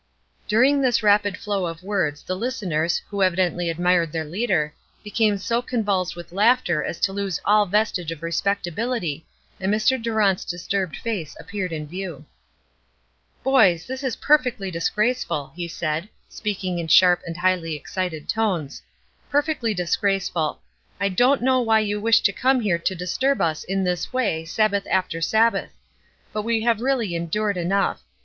During this rapid flow of words the listeners, who evidently admired their leader, became so convulsed with laughter as to lose all vestige of respectability, and Mr. Durant's disturbed face appeared in view. "Boys, this is perfectly disgraceful!" he said, speaking in sharp and highly excited tones, "perfectly disgraceful! I don't know why you wish to come here to disturb us in this way Sabbath after Sabbath! But we have really endured enough.